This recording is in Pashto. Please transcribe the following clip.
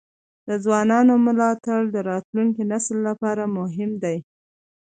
د ځوانانو ملاتړ د راتلونکي نسل لپاره مهم دی.